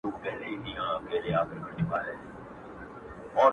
نومونه يې ذهن کي راګرځي او فکر ګډوډوي ډېر,